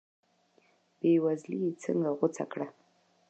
بې وزلي یې څنګه غوڅه کړه.